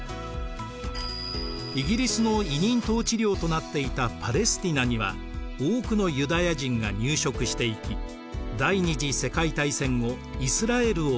イギリスの委任統治領となっていたパレスティナには多くのユダヤ人が入植していき第二次世界大戦後イスラエルを建国。